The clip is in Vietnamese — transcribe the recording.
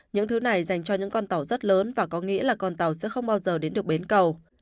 những thứ này dành cho những con tàu rất lớn và có nghĩa là con tàu sẽ không bao giờ đến được bến cầu